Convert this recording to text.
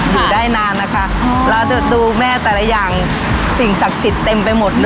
อยู่ได้นานนะคะเราจะดูแม่แต่ละอย่างสิ่งศักดิ์สิทธิ์เต็มไปหมดเลย